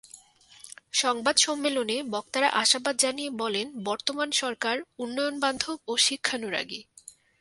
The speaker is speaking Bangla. সংবাদ সম্মেলনে বক্তারা আশাবাদ জানিয়ে বলেন, বর্তমার সরকার উন্নয়নবান্ধব ও শিক্ষানুরাগী।